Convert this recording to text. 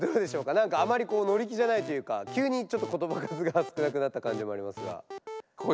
なんかあまりのり気じゃないというかきゅうにちょっとことば数がすくなくなった感じもありますが。